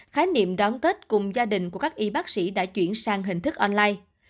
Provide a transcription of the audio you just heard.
khái niệm đón tết cùng gia đình của các y bác sĩ đã chuyển sang hình thức online